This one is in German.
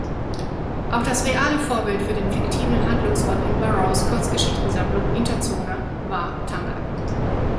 Auch das reale Vorbild für den fiktiven Handlungsort in Burroughs Kurzgeschichtensammlung "Interzone" war Tanger.